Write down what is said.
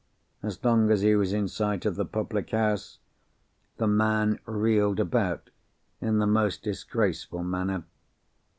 As long as he was in sight of the public house, the man reeled about in the most disgraceful manner.